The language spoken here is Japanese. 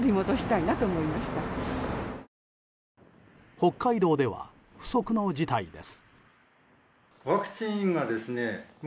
北海道では不測の事態です。